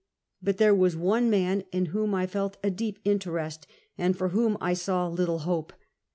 But there was one man in whom I felt a deep in terest and for whom I saw little hope.